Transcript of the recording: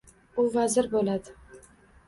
U vazir boʻladi.